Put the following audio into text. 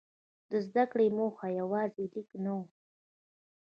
د زده کړې موخه یوازې لیک نه وه.